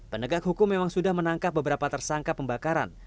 penegak hukum memang sudah menangkap beberapa tersangka pembakaran